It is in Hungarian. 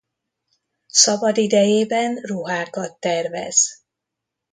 Szabadidejében ruhákat tervez.